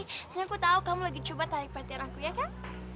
sehingga aku tau kamu lagi coba tarik partian aku ya kan